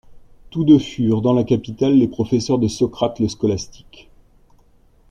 Tous deux furent dans la capitale les professeurs de Socrate le Scolastique.